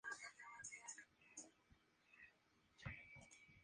El material utilizado principalmente en su construcción es la piedra blanca de Novelda.